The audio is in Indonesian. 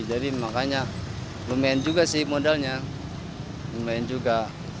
jadi makanya lumayan juga sih modalnya lumayan juga